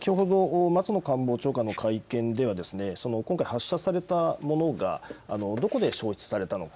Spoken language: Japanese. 先ほど、松野官房長官の会見では、今回、発射されたものが、どこで消失されたのか。